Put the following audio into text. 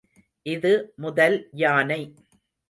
இது முதல் யானை.